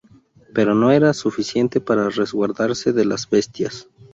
Pero no era suficiente para resguardarse de las bestias.